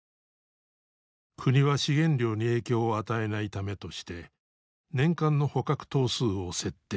国は資源量に影響を与えないためとして年間の捕獲頭数を設定。